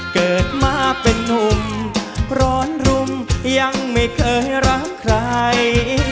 เกิดมาเป็นนุ่มร้อนรุมยังไม่เคยรักใคร